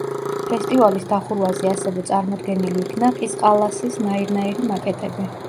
ფესტივალის დახურვაზე ასევე წარმოდგენილი იქნა ყიზყალასის ნაირნაირი მაკეტები.